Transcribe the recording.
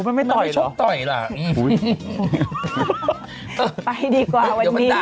พี่จะเล่าให้ฉันฟังเลยมีแต่แบบจะตบกูทั้งวันเลยบอกขอกินหน่อยสิ